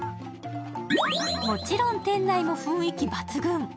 もちろん店内も雰囲気抜群。